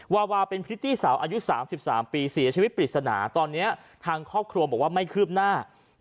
วาวาเป็นพริตตี้สาวอายุ๓๓ปีเสียชีวิตปริศนาตอนนี้ทางครอบครัวบอกว่าไม่คืบหน้า